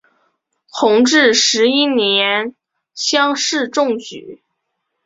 弘治十一年乡试中举。